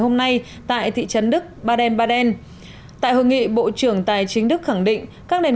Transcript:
hôm nay tại thị trấn đức baden baden tại hội nghị bộ trưởng tài chính đức khẳng định các nền